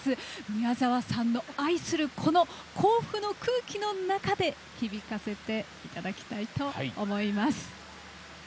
宮沢さんの愛する甲府の空気の中で響かせていただきたいと思います。